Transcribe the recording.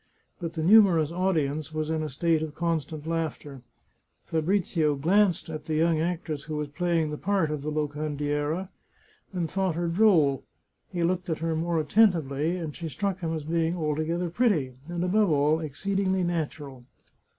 But the numerous audience was in a state of constant laughter. Fabrizio glanced at the young actress who was playing the part of the Locandiera, and thought her droll ; he looked at her more attentively, and she struck him as being altogether pretty, and, above all, exceedingly natural.